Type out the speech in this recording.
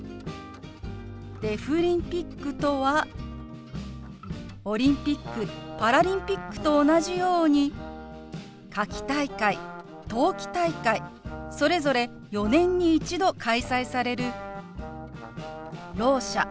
「デフリンピック」とはオリンピック・パラリンピックと同じように夏季大会・冬季大会それぞれ４年に一度開催されるろう者